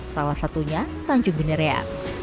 salah satunya tanjung bineria